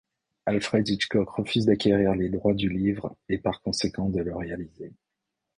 Alfred Hitchcock refuse d'acquérir les droits du livre et par conséquent de le réaliser.